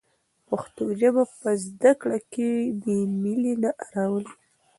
پښتو ژبه په زده کړه کې بې میلي نه راولي.